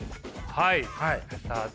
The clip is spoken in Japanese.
はい。